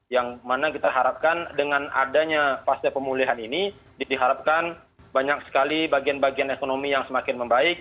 yang mana kita harapkan dengan adanya pasca pemulihan ini diharapkan banyak sekali bagian bagian ekonomi yang semakin membaik